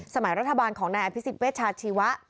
สมัยรัฐบาลของนายอภิษฎเวชาชีวะ